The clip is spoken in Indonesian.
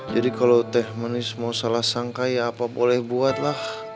jadi kalau teh manis mau salah sangka ya apa boleh buatlah